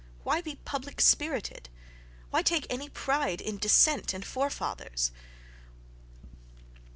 Why be public spirited? Why take any pride in descent and forefathers?